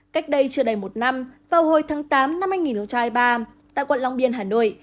cách đây chưa đầy một năm vào hồi tháng tám năm hai nghìn hai mươi ba tại quận long biên hà nội